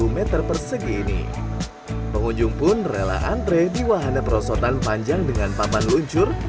meter persegi ini pengunjung pun rela antre di wahana perosotan panjang dengan papan luncur